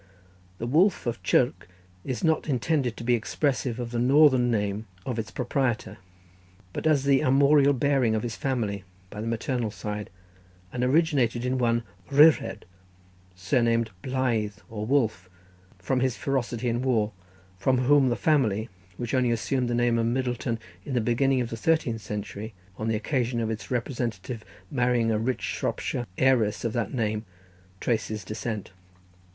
The wolf of Chirk is not intended to be expressive of the northern name of its proprietor, but is the armorial bearing of his family by the maternal side, and originated in one Ryred, surnamed Blaidd, or Wolf, from his ferocity in war; from whom the family, which only assumed the name of Middleton in the beginning of the thirteenth century, on the occasion of its representative marrying a rich Shropshire heiress of that name, traces descent.